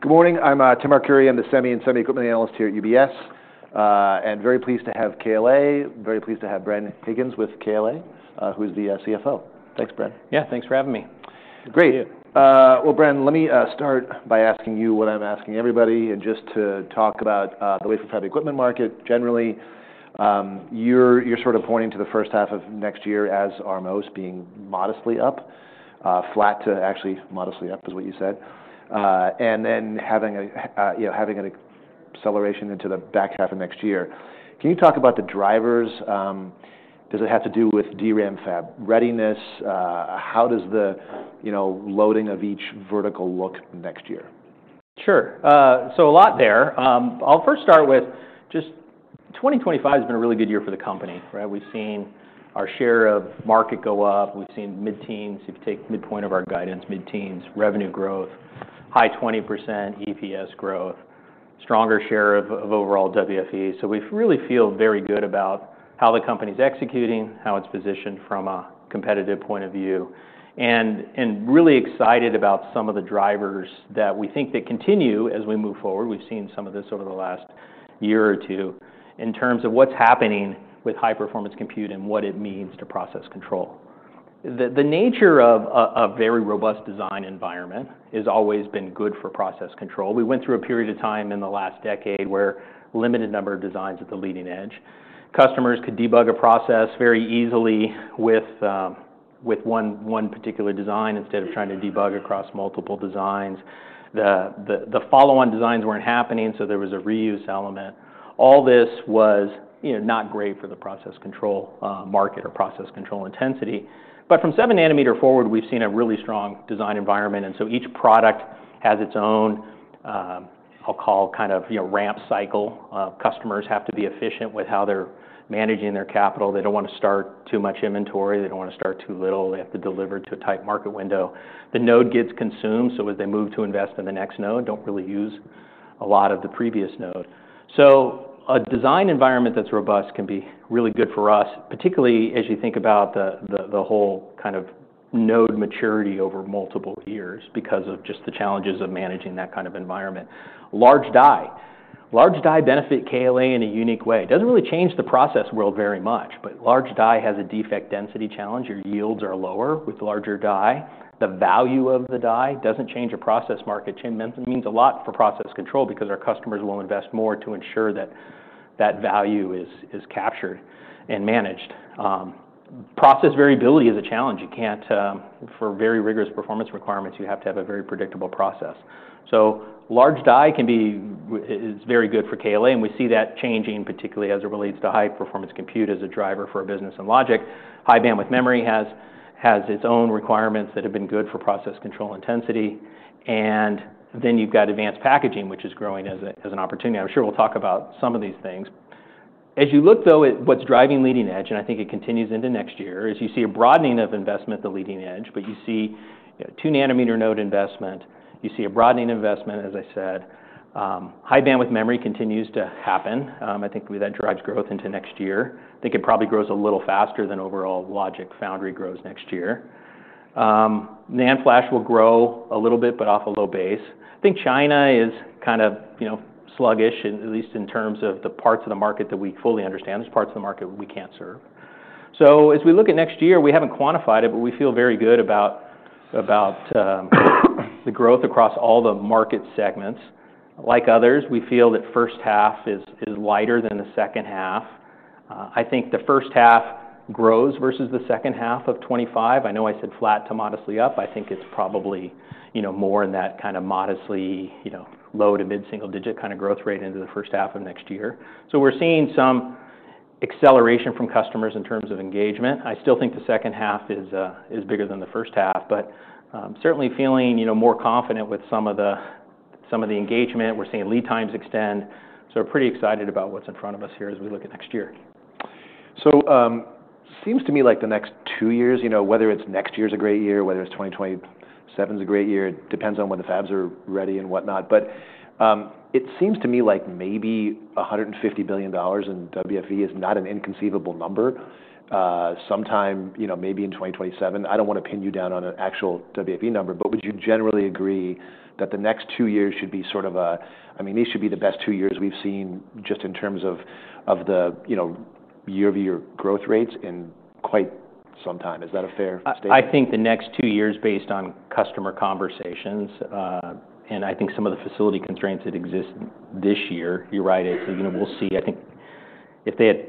Here we go. Good morning. I'm Tim Arcuri. I'm the Semi and Semi Equipment Analyst here at UBS, and very pleased to have KLA, very pleased to have Bren Higgins with KLA, who is the CFO. Thanks, Bren. Yeah. Thanks for having me. Great. Thank you. Bren, let me start by asking you what I'm asking everybody and just to talk about the WFE for the equipment market generally. You're sort of pointing to the first half of next year as us being modestly up, flat to actually modestly up is what you said. And then, you know, having an acceleration into the back half of next year. Can you talk about the drivers? Does it have to do with DRAM fab readiness? How does the, you know, loading of each vertical look next year? Sure. So a lot there. I'll first start with just 2025 has been a really good year for the company, right? We've seen our share of market go up. We've seen mid-teens, if you take midpoint of our guidance, mid-teens revenue growth, high 20% EPS growth, stronger share of overall WFE. So we really feel very good about how the company's executing, how it's positioned from a competitive point of view, and really excited about some of the drivers that we think that continue as we move forward. We've seen some of this over the last year or two in terms of what's happening with high-performance compute and what it means to process control. The nature of a very robust design environment has always been good for process control. We went through a period of time in the last decade where a limited number of designs at the leading edge. Customers could debug a process very easily with one particular design instead of trying to debug across multiple designs. The follow-on designs weren't happening, so there was a reuse element. All this was, you know, not great for the process control market or process control intensity. But from seven-nanometer forward, we've seen a really strong design environment. And so each product has its own, I'll call kind of, you know, ramp cycle. Customers have to be efficient with how they're managing their capital. They don't wanna start too much inventory. They don't wanna start too little. They have to deliver to a tight market window. The node gets consumed, so as they move to invest in the next node, don't really use a lot of the previous node. So a design environment that's robust can be really good for us, particularly as you think about the whole kind of node maturity over multiple years because of just the challenges of managing that kind of environment. Large die. Large die benefit KLA in a unique way. It doesn't really change the process world very much, but large die has a defect density challenge. Your yields are lower with larger die. The value of the die doesn't change the process market. Change means a lot for process control because our customers will invest more to ensure that that value is captured and managed. Process variability is a challenge. You can't, for very rigorous performance requirements, you have to have a very predictable process. Large die can be, is very good for KLA, and we see that changing, particularly as it relates to high-performance compute as a driver for business and logic. High-bandwidth memory has its own requirements that have been good for process control intensity. And then you've got advanced packaging, which is growing as an opportunity. I'm sure we'll talk about some of these things. As you look, though, at what's driving leading-edge, and I think it continues into next year, is you see a broadening of investment at the leading edge, but you see, you know, two-nanometer node investment. You see a broadening investment, as I said. High-bandwidth memory continues to happen. I think that drives growth into next year. I think it probably grows a little faster than overall logic foundry grows next year. NAND flash will grow a little bit, but off a low base. I think China is kind of, you know, sluggish, at least in terms of the parts of the market that we fully understand. There's parts of the market we can't serve. So as we look at next year, we haven't quantified it, but we feel very good about the growth across all the market segments. Like others, we feel that first half is lighter than the second half. I think the first half grows versus the second half of 2025. I know I said flat to modestly up. I think it's probably, you know, more in that kind of modestly, you know, low to mid-single digit kind of growth rate into the first half of next year. So we're seeing some acceleration from customers in terms of engagement. I still think the second half is bigger than the first half, but certainly feeling, you know, more confident with some of the engagement. We're seeing lead times extend, so we're pretty excited about what's in front of us here as we look at next year. Seems to me like the next two years, you know, whether it's next year's a great year, whether it's 2027's a great year, it depends on when the fabs are ready and whatnot. But it seems to me like maybe $150 billion in WFE is not an inconceivable number sometime, you know, maybe in 2027. I don't wanna pin you down on an actual WFE number, but would you generally agree that the next two years should be sort of a, I mean, these should be the best two years we've seen just in terms of the, you know, year-over-year growth rates in quite some time. Is that a fair statement? I think the next two years based on customer conversations, and I think some of the facility constraints that exist this year, you're right, it's, you know, we'll see. I think if they had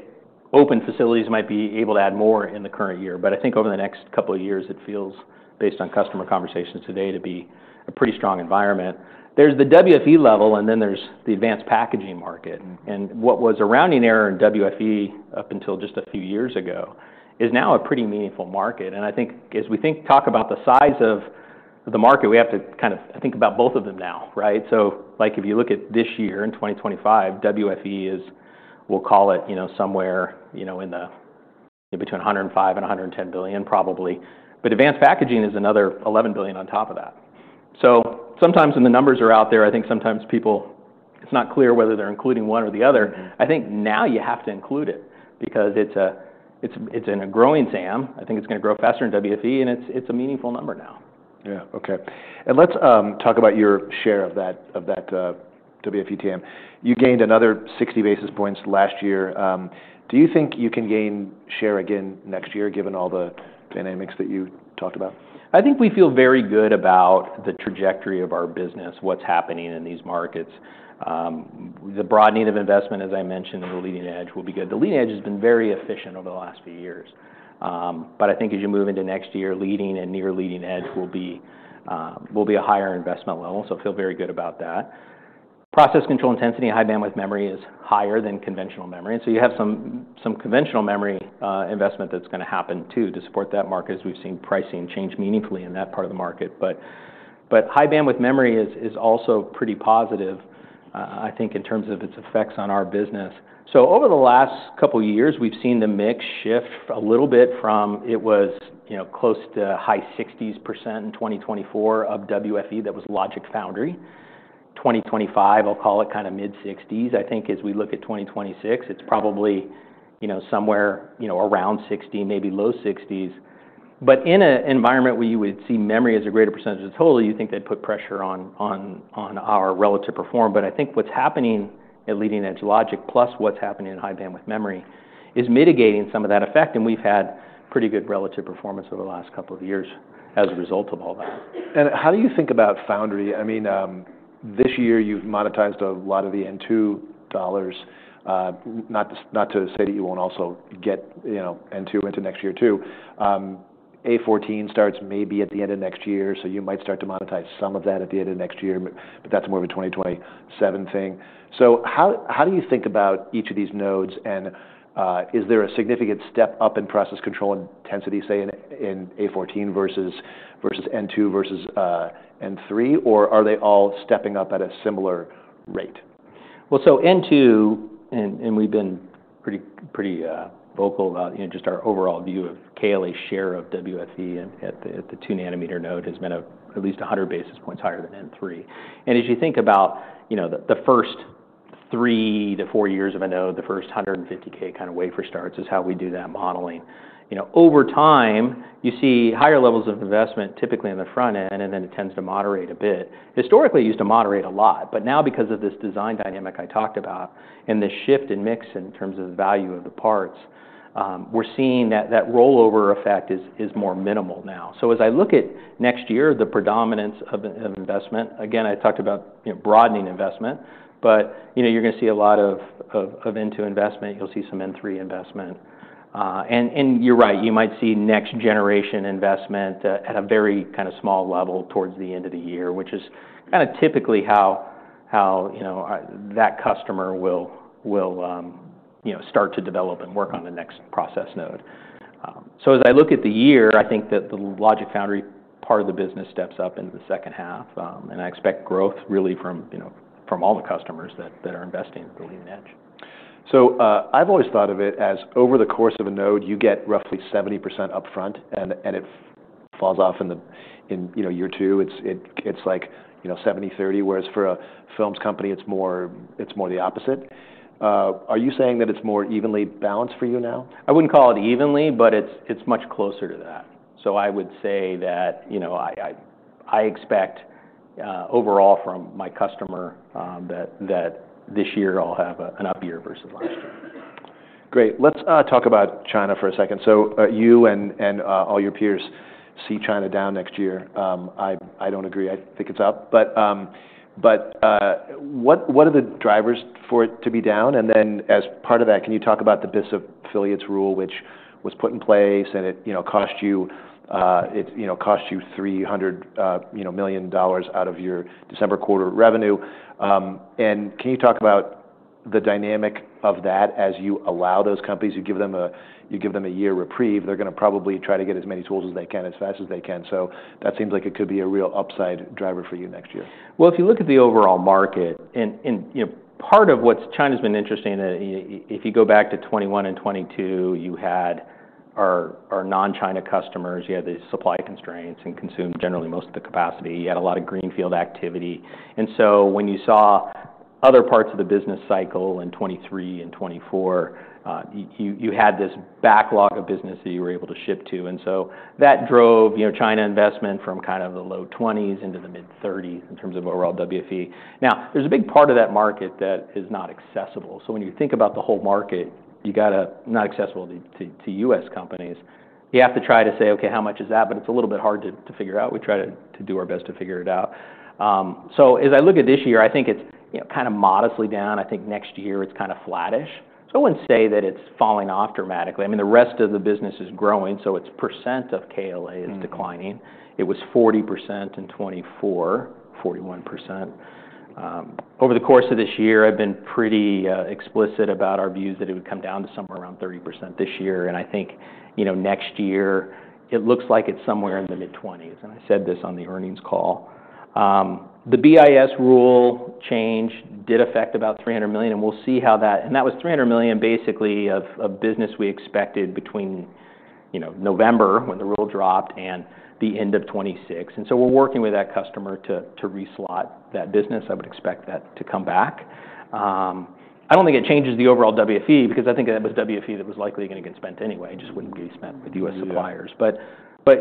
open facilities, might be able to add more in the current year. But I think over the next couple of years, it feels, based on customer conversations today, to be a pretty strong environment. There's the WFE level, and then there's the advanced packaging market. And what was a rounding error in WFE up until just a few years ago is now a pretty meaningful market. And I think as we think, talk about the size of the market, we have to kind of think about both of them now, right? So like if you look at this year in 2025, WFE is, we'll call it, you know, somewhere, you know, in the, you know, between $105 billion and $110 billion probably. But advanced packaging is another $11 billion on top of that. So sometimes when the numbers are out there, I think sometimes people, it's not clear whether they're including one or the other. I think now you have to include it because it's a, it's in a growing TAM. I think it's gonna grow faster in WFE, and it's a meaningful number now. Yeah. Okay. And let's talk about your share of that WFE TAM. You gained another 60 basis points last year. Do you think you can gain share again next year given all the dynamics that you talked about? I think we feel very good about the trajectory of our business, what's happening in these markets. The broadening of investment, as I mentioned, in the leading edge will be good. The leading edge has been very efficient over the last few years, but I think as you move into next year, leading and near leading edge will be a higher investment level, so I feel very good about that. Process control intensity, high bandwidth memory is higher than conventional memory, and so you have some conventional memory investment that's gonna happen too, to support that market as we've seen pricing change meaningfully in that part of the market, but high bandwidth memory is also pretty positive, I think in terms of its effects on our business. So over the last couple of years, we've seen the mix shift a little bit from it was, you know, close to high 60s% in 2024 of WFE that was logic foundry. 2025, I'll call it kind of mid-60s%. I think as we look at 2026, it's probably, you know, somewhere, you know, around 60%, maybe low 60s%. But in an environment where you would see memory as a greater percentage of total, you think they'd put pressure on our relative performance. But I think what's happening at leading edge logic plus what's happening in high bandwidth memory is mitigating some of that effect. And we've had pretty good relative performance over the last couple of years as a result of all that. And how do you think about foundry? I mean, this year you've monetized a lot of the N2 dollars, not to, not to say that you won't also get, you know, N2 into next year too. A14 starts maybe at the end of next year, so you might start to monetize some of that at the end of next year, but that's more of a 2027 thing. So how do you think about each of these nodes? And, is there a significant step up in process control intensity, say in A14 versus N2 versus N3, or are they all stepping up at a similar rate? N2, and we've been pretty vocal about, you know, just our overall view of KLA's share of WFE at the two-nanometer node has been at least 100 basis points higher than N3. As you think about, you know, the first three to four years of a node, the first 150K kind of wafer starts is how we do that modeling. You know, over time, you see higher levels of investment typically in the front end, and then it tends to moderate a bit. Historically, it used to moderate a lot, but now because of this design dynamic I talked about and the shift in mix in terms of the value of the parts, we're seeing that rollover effect is more minimal now. So as I look at next year, the predominance of investment, again, I talked about, you know, broadening investment, but, you know, you're gonna see a lot of N2 investment. You'll see some N3 investment. And you're right, you might see next generation investment, at a very kind of small level towards the end of the year, which is kind of typically how, you know, that customer will, you know, start to develop and work on the next process node. So as I look at the year, I think that the logic foundry part of the business steps up into the second half, and I expect growth really from, you know, from all the customers that are investing at the leading edge. So, I've always thought of it as over the course of a node, you get roughly 70% upfront, and it falls off in, you know, year two. It's like, you know, 70/30, whereas for a film's company, it's more the opposite. Are you saying that it's more evenly balanced for you now? I wouldn't call it evenly, but it's much closer to that. So I would say that, you know, I expect, overall from my customer, that this year I'll have an up year versus last year. Great. Let's talk about China for a second. So, you and all your peers see China down next year. I don't agree. I think it's up, but what are the drivers for it to be down? And then as part of that, can you talk about the BIS Affiliates Rule, which was put in place and it you know cost you $300 million out of your December quarter revenue? And can you talk about the dynamic of that as you allow those companies? You give them a year reprieve. They're gonna probably try to get as many tools as they can as fast as they can. So that seems like it could be a real upside driver for you next year. If you look at the overall market and, you know, part of what's China's been interested in, if you go back to 2021 and 2022, you had our non-China customers. You had the supply constraints and consumed generally most of the capacity. You had a lot of greenfield activity. And so when you saw other parts of the business cycle in 2023 and 2024, you had this backlog of business that you were able to ship to. And so that drove, you know, China investment from kind of the low 20s into the mid-30s in terms of overall WFE. Now, there's a big part of that market that is not accessible. So when you think about the whole market, you gotta not accessible to U.S. companies. You have to try to say, okay, how much is that? But it's a little bit hard to figure out. We try to do our best to figure it out, so as I look at this year, I think it's, you know, kind of modestly down. I think next year it's kind of flattish, so I wouldn't say that it's falling off dramatically. I mean, the rest of the business is growing, so its percent of KLA is declining. It was 40% in 2024, 41%. Over the course of this year, I've been pretty explicit about our views that it would come down to somewhere around 30% this year, and I think, you know, next year it looks like it's somewhere in the mid-20s, and I said this on the earnings call. The BIS rule change did affect about $300 million, and we'll see how that. And that was $300 million basically of business we expected between, you know, November when the rule dropped and the end of 2026. And so we're working with that customer to reslot that business. I would expect that to come back. I don't think it changes the overall WFE because I think that was WFE that was likely gonna get spent anyway. It just wouldn't be spent with U.S. suppliers. But,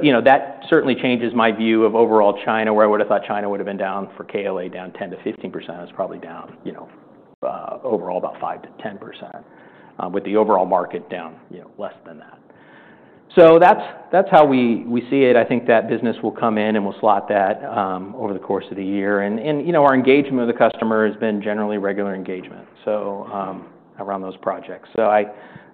you know, that certainly changes my view of overall China, where I would've thought China would've been down for KLA down 10%-15%. It was probably down, you know, overall about 5%-10%, with the overall market down, you know, less than that. So that's how we see it. I think that business will come in and we'll slot that over the course of the year. You know, our engagement with the customer has been generally regular engagement around those projects. I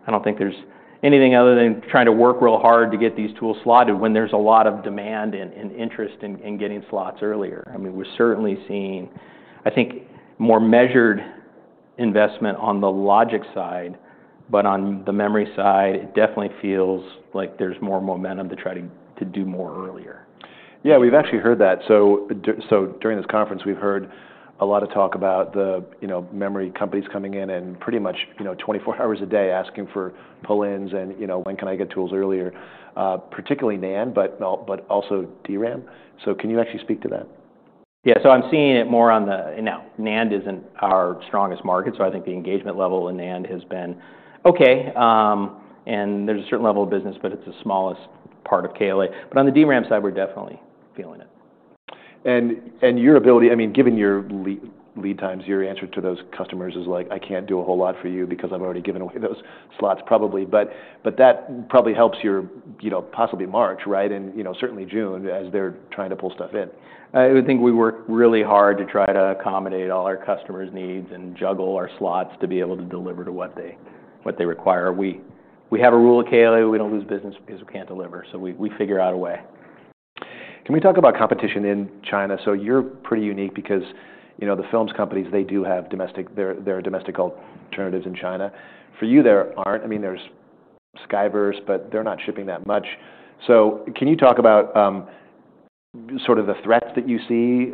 don't think there's anything other than trying to work real hard to get these tools slotted when there's a lot of demand and interest in getting slots earlier. I mean, we're certainly seeing, I think, more measured investment on the logic side, but on the memory side, it definitely feels like there's more momentum to try to do more earlier. Yeah. We've actually heard that. So during this conference, we've heard a lot of talk about the, you know, memory companies coming in and pretty much, you know, 24 hours a day asking for pull-ins and, you know, when can I get tools earlier, particularly NAND, but also DRAM. So can you actually speak to that? Yeah, so I'm seeing it more on the, you know, NAND isn't our strongest market, so I think the engagement level in NAND has been okay, and there's a certain level of business, but it's the smallest part of KLA, but on the DRAM side, we're definitely feeling it. And your ability, I mean, given your lead times, your answer to those customers is like, "I can't do a whole lot for you because I've already given away those slots probably." But that probably helps your, you know, possibly March, right? And you know, certainly June as they're trying to pull stuff in. I would think we work really hard to try to accommodate all our customers' needs and juggle our slots to be able to deliver to what they require. We have a rule at KLA. We don't lose business because we can't deliver. So we figure out a way. Can we talk about competition in China? So you're pretty unique because, you know, the fabless companies, they do have domestic, their domestic alternatives in China. For you, there aren't. I mean, there's Skyverse, but they're not shipping that much. So can you talk about, sort of the threats that you see,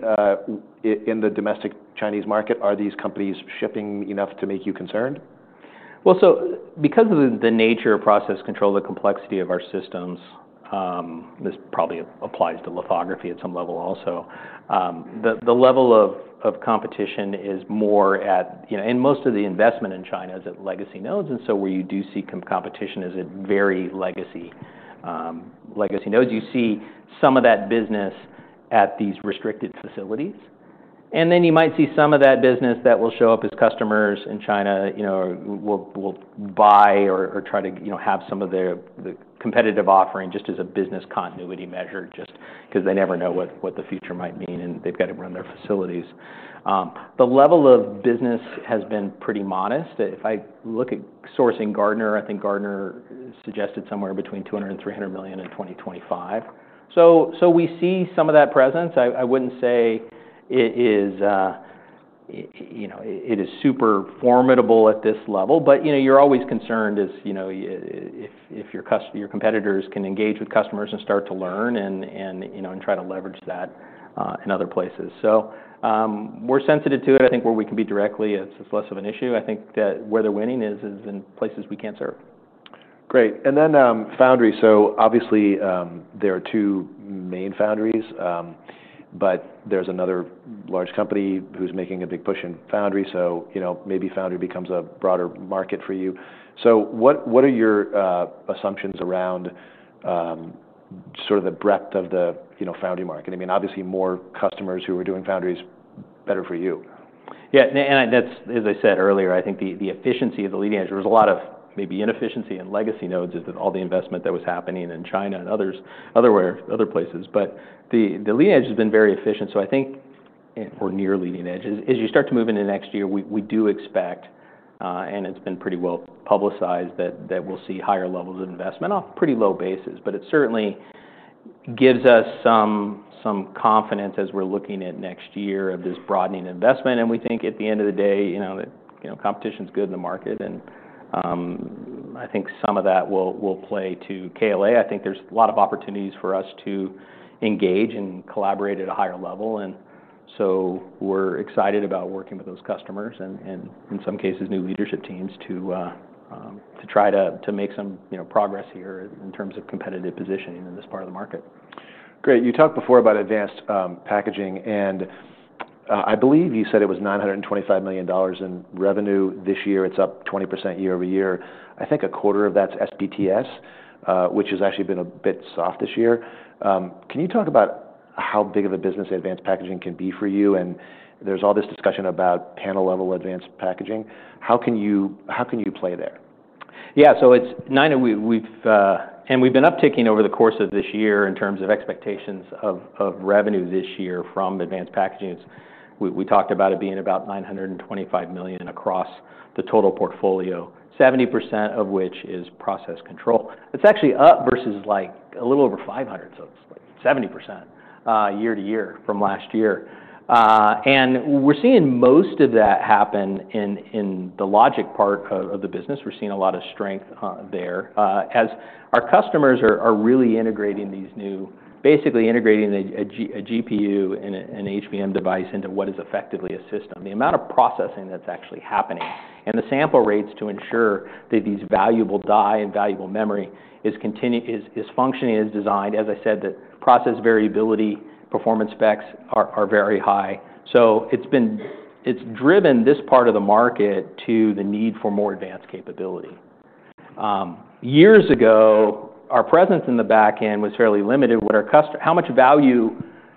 in the domestic Chinese market? Are these companies shipping enough to make you concerned? Because of the nature of process control, the complexity of our systems, this probably applies to lithography at some level also. The level of competition is more at, you know, and most of the investment in China is at legacy nodes. Where you do see competition is at very legacy nodes. You see some of that business at these restricted facilities. You might see some of that business that will show up as customers in China, you know, will buy or try to, you know, have some of their competitive offering just as a business continuity measure, just 'cause they never know what the future might mean and they've gotta run their facilities. The level of business has been pretty modest. If I look at Gartner, I think Gartner suggested somewhere between $200 million and $300 million in 2025. So we see some of that presence. I wouldn't say it is, you know, it is super formidable at this level, but, you know, you're always concerned as, you know, if your competitors can engage with customers and start to learn and, you know, and try to leverage that in other places. So, we're sensitive to it. I think where we can serve directly, it's less of an issue. I think that where they're winning is in places we can't serve. Great, and then foundry. So obviously, there are two main foundries, but there's another large company who's making a big push in foundry. So you know, maybe foundry becomes a broader market for you. So what are your assumptions around sort of the breadth of the you know foundry market? I mean, obviously more customers who are doing foundry is better for you. Yeah. And I, that's as I said earlier. I think the efficiency of the leading edge. There was a lot of maybe inefficiency in legacy nodes. That's all the investment that was happening in China and other places. The leading edge has been very efficient. I think or near leading edge, as you start to move into next year, we do expect, and it's been pretty well publicized that we'll see higher levels of investment off a pretty low basis. It certainly gives us some confidence as we're looking at next year of this broadening investment. We think at the end of the day, you know, competition's good in the market. I think some of that will play to KLA. I think there's a lot of opportunities for us to engage and collaborate at a higher level. And so we're excited about working with those customers and in some cases, new leadership teams to try to make some, you know, progress here in terms of competitive positioning in this part of the market. Great. You talked before about advanced packaging, and I believe you said it was $925 million in revenue this year. It's up 20% year-over-year. I think a quarter of that's SPTS, which has actually been a bit soft this year. Can you talk about how big of a business advanced packaging can be for you? And there's all this discussion about panel-level advanced packaging. How can you play there? Yeah. So it's nine of the way we've been upticking over the course of this year in terms of expectations of revenue this year from advanced packaging. We talked about it being about $925 million across the total portfolio, 70% of which is process control. It's actually up versus like a little over $500 million, so it's like 70% year to year from last year, and we're seeing most of that happen in the logic part of the business. We're seeing a lot of strength there, as our customers are really integrating these new, basically integrating a GPU and an HBM device into what is effectively a system. The amount of processing that's actually happening and the sample rates to ensure that these valuable die and valuable memory continues to function as designed. As I said, the process variability performance specs are very high. So it's driven this part of the market to the need for more advanced capability. Years ago, our presence in the backend was fairly limited. What our customer, how much value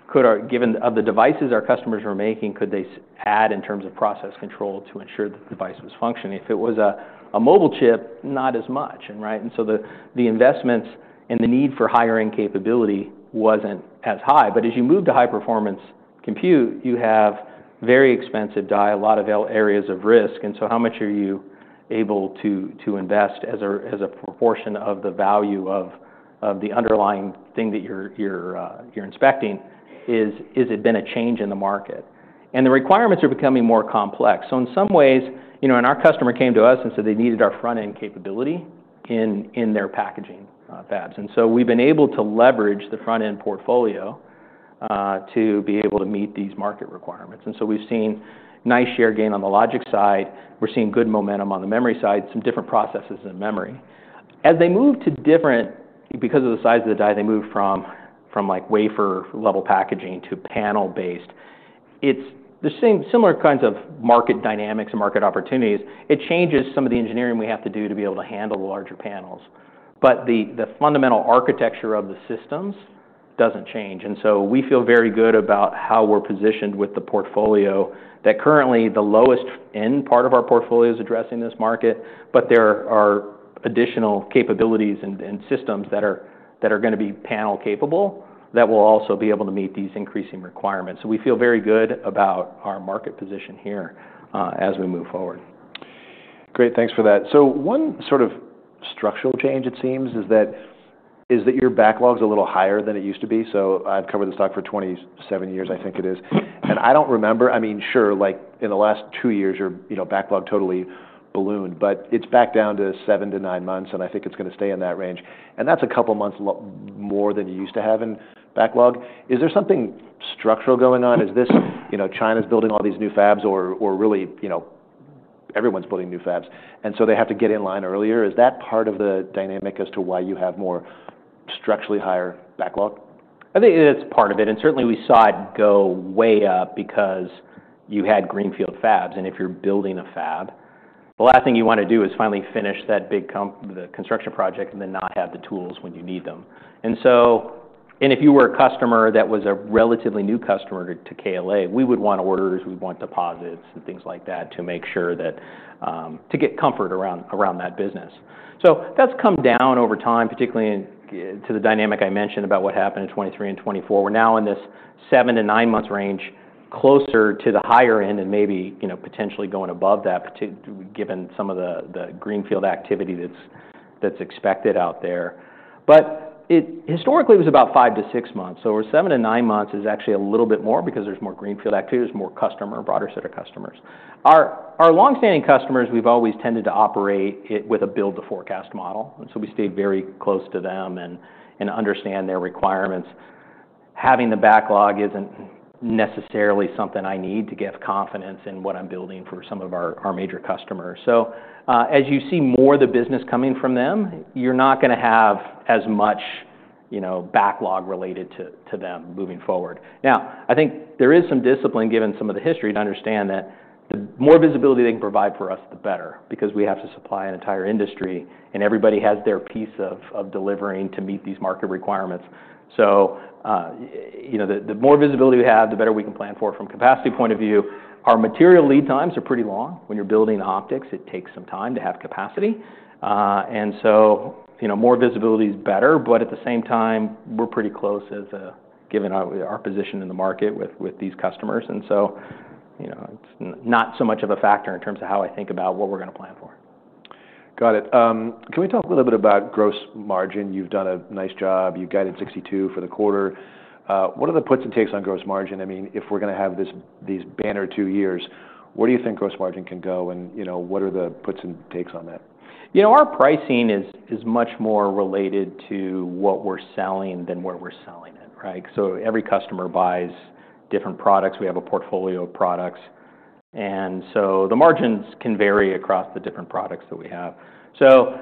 could our, given the devices our customers were making, could they add in terms of process control to ensure that the device was functioning? If it was a mobile chip, not as much, and right, so the investments and the need for higher-end capability wasn't as high, but as you move to high-performance compute, you have very expensive die, a lot of areas of risk. And so how much are you able to invest as a proportion of the value of the underlying thing that you're inspecting? Is it been a change in the market? And the requirements are becoming more complex. So in some ways, you know, and our customer came to us and said they needed our front end capability in their packaging fabs. And so we've been able to leverage the front end portfolio to be able to meet these market requirements. And so we've seen nice share gain on the logic side. We're seeing good momentum on the memory side, some different processes in memory. As they move to different, because of the size of the die, they move from like wafer level packaging to panel based. It's the same, similar kinds of market dynamics and market opportunities. It changes some of the engineering we have to do to be able to handle the larger panels, but the fundamental architecture of the systems doesn't change, and so we feel very good about how we're positioned with the portfolio that currently, the lowest end part of our portfolio is addressing this market, but there are additional capabilities and systems that are gonna be panel capable that will also be able to meet these increasing requirements, so we feel very good about our market position here, as we move forward. Great. Thanks for that. So one sort of structural change, it seems, is that, is that your backlog's a little higher than it used to be. So I've covered the stock for 27 years, I think it is. And I don't remember, I mean, sure, like in the last two years, your, you know, backlog totally ballooned, but it's back down to seven to nine months, and I think it's gonna stay in that range. And that's a couple months more than you used to have in backlog. Is there something structural going on? Is this, you know, China's building all these new fabs or, or really, you know, everyone's building new fabs and so they have to get in line earlier? Is that part of the dynamic as to why you have more structurally higher backlog? I think it's part of it, and certainly we saw it go way up because you had Greenfield fabs. If you're building a fab, the last thing you wanna do is finally finish that big comp, the construction project and then not have the tools when you need them. So if you were a customer that was a relatively new customer to KLA, we would want orders, we'd want deposits and things like that to make sure that, to get comfort around that business. That's come down over time, particularly to the dynamic I mentioned about what happened in 2023 and 2024. We're now in this seven to nine months range closer to the higher end and maybe, you know, potentially going above that, given some of the Greenfield activity that's expected out there. But it historically was about five to six months. So seven to nine months is actually a little bit more because there's more Greenfield activity. There's more customer, broader set of customers. Our longstanding customers, we've always tended to operate it with a build to forecast model. And so we stayed very close to them and understand their requirements. Having the backlog isn't necessarily something I need to give confidence in what I'm building for some of our major customers. So, as you see more of the business coming from them, you're not gonna have as much, you know, backlog related to them moving forward. Now, I think there is some discipline given some of the history to understand that the more visibility they can provide for us, the better, because we have to supply an entire industry and everybody has their piece of delivering to meet these market requirements. So, you know, the more visibility we have, the better we can plan for it from capacity point of view. Our material lead times are pretty long. When you're building optics, it takes some time to have capacity. And so, you know, more visibility is better, but at the same time, we're pretty close as a given our position in the market with these customers. And so, you know, it's not so much of a factor in terms of how I think about what we're gonna plan for. Got it. Can we talk a little bit about gross margin? You've done a nice job. You guided 62% for the quarter. What are the puts and takes on gross margin? I mean, if we're gonna have this, these banner two years, where do you think gross margin can go and, you know, what are the puts and takes on that? You know, our pricing is much more related to what we're selling than where we're selling it, right? So every customer buys different products. We have a portfolio of products. And so the margins can vary across the different products that we have. So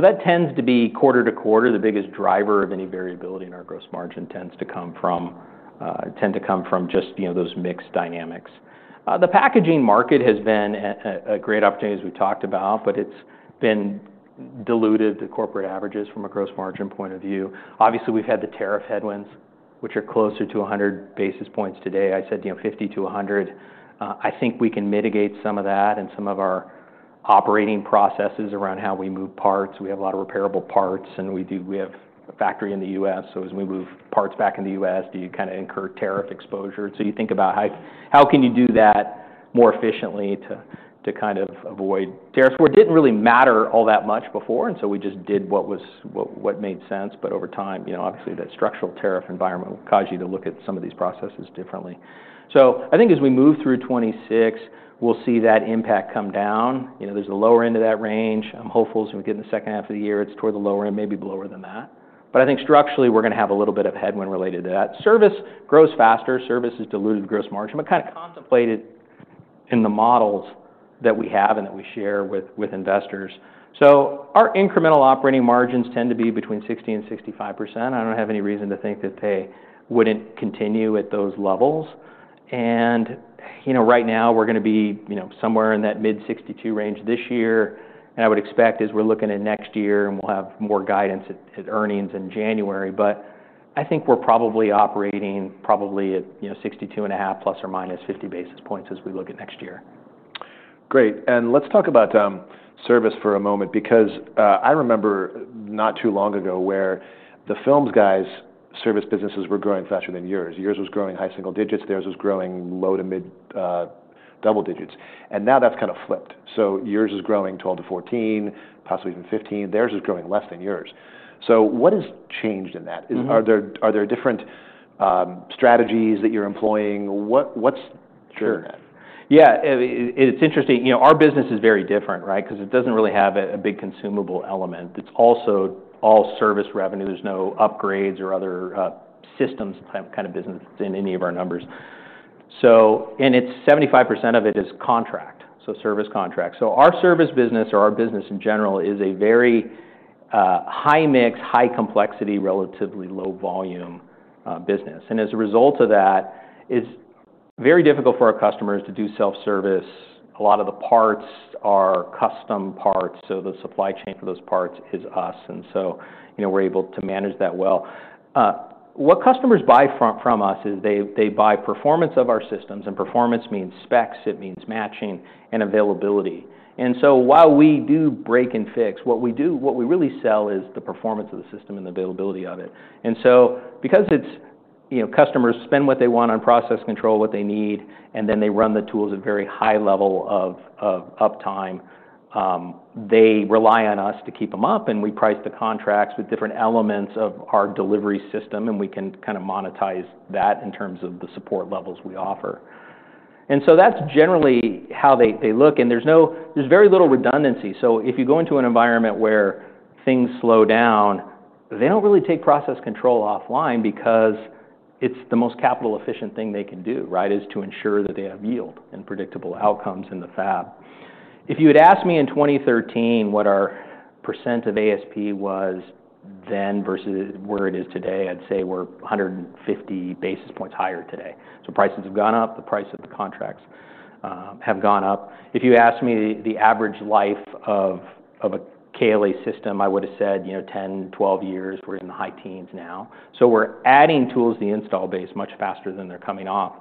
that tends to be quarter to quarter. The biggest driver of any variability in our gross margin tends to come from just, you know, those mixed dynamics. The packaging market has been a great opportunity as we talked about, but it's been diluted to corporate averages from a gross margin point of view. Obviously, we've had the tariff headwinds, which are closer to 100 basis points today. I said, you know, 50-100. I think we can mitigate some of that and some of our operating processes around how we move parts. We have a lot of repairable parts and we have a factory in the U.S. So as we move parts back in the U.S., do you kind of incur tariff exposure? And so you think about how you can do that more efficiently to kind of avoid tariffs? Where it didn't really matter all that much before. And so we just did what made sense. But over time, you know, obviously that structural tariff environment will cause you to look at some of these processes differently. So I think as we move through 2026, we'll see that impact come down. You know, there's the lower end of that range. I'm hopeful as we get in the second half of the year, it's toward the lower end, maybe lower than that. But I think structurally we're gonna have a little bit of headwind related to that. Service grows faster. Service is diluted to gross margin, but kind of contemplated in the models that we have and that we share with investors. So our incremental operating margins tend to be between 60%-65%. I don't have any reason to think that they wouldn't continue at those levels. And, you know, right now we're gonna be, you know, somewhere in that mid-62% range this year. And I would expect as we're looking at next year and we'll have more guidance at earnings in January. But I think we're probably operating at, you know, 62.5%± 50 basis points as we look at next year. Great. And let's talk about service for a moment because I remember not too long ago where the films guys' service businesses were growing faster than yours. Yours was growing high single digits. Theirs was growing low to mid double digits. And now that's kind of flipped. So yours is growing 12-14, possibly even 15. Theirs is growing less than yours. So what has changed in that? Are there different strategies that you're employing? What's true in that? Sure. Yeah. I mean, it's interesting, you know, our business is very different, right? 'Cause it doesn't really have a big consumable element. It's also all service revenue. There's no upgrades or other systems kind of business in any of our numbers. So, and it's 75% of it is contract. So service contract. So our service business or our business in general is a very high mix, high complexity, relatively low volume, business. And as a result of that, it's very difficult for our customers to do self-service. A lot of the parts are custom parts. So the supply chain for those parts is us. And so, you know, we're able to manage that well. What customers buy from us is they buy performance of our systems. And performance means specs, it means matching and availability. And so while we do break and fix, what we do, what we really sell is the performance of the system and the availability of it. And so because it's, you know, customers spend what they want on process control, what they need, and then they run the tools at very high level of uptime, they rely on us to keep them up. And we price the contracts with different elements of our delivery system, and we can kind of monetize that in terms of the support levels we offer. And so that's generally how they look. And there's very little redundancy. So if you go into an environment where things slow down, they don't really take process control offline because it's the most capital efficient thing they can do, right? It is to ensure that they have yield and predictable outcomes in the fab. If you had asked me in 2013 what our percent of ASP was then versus where it is today, I'd say we're 150 basis points higher today. So prices have gone up. The price of the contracts have gone up. If you asked me the average life of a KLA system, I would've said, you know, 10, 12 years. We're in the high teens now. So we're adding tools to the install base much faster than they're coming off.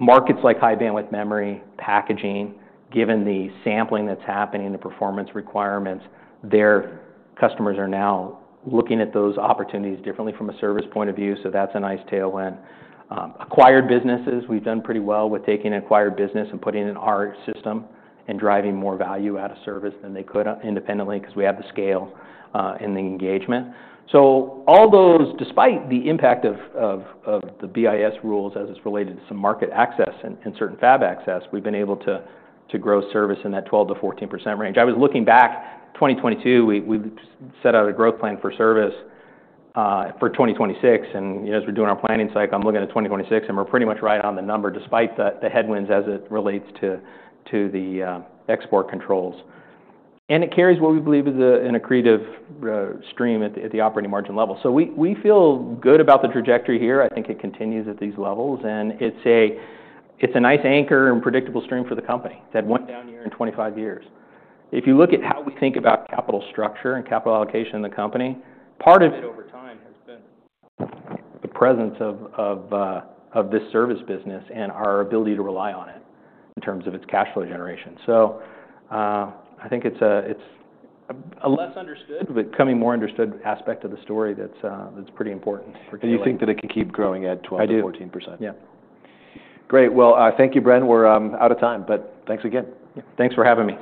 Markets like high bandwidth memory packaging, given the sampling that's happening, the performance requirements, their customers are now looking at those opportunities differently from a service point of view. So that's a nice tailwind. Acquired businesses, we've done pretty well with taking an acquired business and putting it in our system and driving more value out of service than they could independently 'cause we have the scale and the engagement. So all those, despite the impact of the BIS rules as it's related to some market access and certain fab access, we've been able to grow service in that 12%-14% range. I was looking back 2022, we set out a growth plan for service for 2026. And, you know, as we're doing our planning cycle, I'm looking at 2026 and we're pretty much right on the number despite the headwinds as it relates to the export controls. And it carries what we believe is an accretive stream at the operating margin level. So we feel good about the trajectory here. I think it continues at these levels. It's a nice anchor and predictable stream for the company. It's had one down year in 25 years. If you look at how we think about capital structure and capital allocation in the company, part of it over time has been the presence of this service business and our ability to rely on it in terms of its cash flow generation. I think it's a less understood, but becoming more understood aspect of the story that's pretty important for. You think that it can keep growing at 12%-14%? I do. Yeah. Great. Well, thank you, Bren. We're out of time, but thanks again. Yeah. Thanks for having me